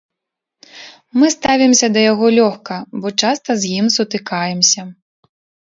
Мы ставімся да яго лёгка, бо часта з ім сутыкаемся.